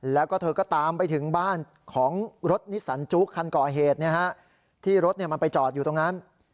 แล้วก็เธอก็ตามไปถึงบ้านของรถนิสสันจุ๊กคันก่อเหตุที่รถมันไปจอดอยู่ตรงนั้น